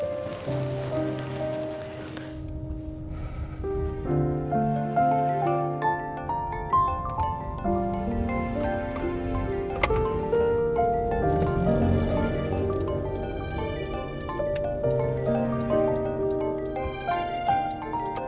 sampai jumpa lagi